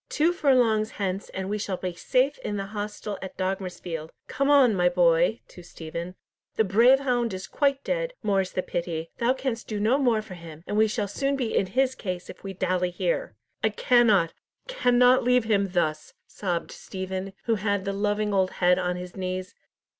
Two furlongs hence, and we shall be safe in the hostel at Dogmersfield. Come on, my boy," to Stephen, "the brave hound is quite dead, more's the pity. Thou canst do no more for him, and we shall soon be in his case if we dally here." "I cannot, cannot leave him thus," sobbed Stephen, who had the loving old head on his knees.